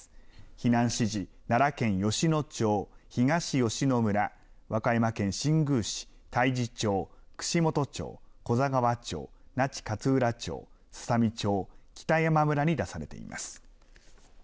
避難指示、奈良県吉野町、東吉野村、和歌山県新宮市、太地町、串本町、古座川町、那智勝浦町、すさみ町、北山村に出されています。